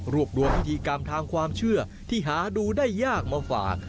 รวบรวมพิธีกรรมทางความเชื่อที่หาดูได้ยากมาฝาก